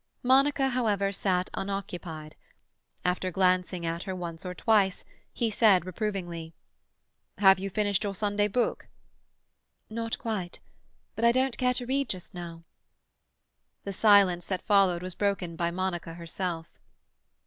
Monica, however, sat unoccupied. After glancing at her once or twice, he said reprovingly,— "Have you finished your Sunday book?" "Not quite. But I don't care to read just now." The silence that followed was broken by Monica herself.